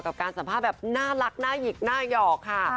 กับการสัมภาษณ์แบบน่ารักน่าหยิกหน้าหยอกค่ะ